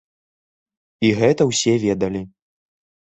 І гэта ўсе ведалі.